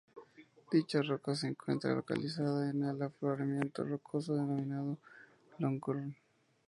Dicha roca se encuentra localizada en el afloramiento rocoso denominado Longhorn.